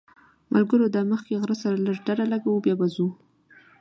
ملګرو دا مخکې غره سره لږ ډډه لګوو بیا به ځو.